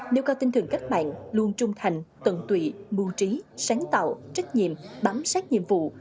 nêu cao tinh thường các bạn luôn trung thành tận tụy mưu trí sáng tạo trách nhiệm bám sát nhiệm vụ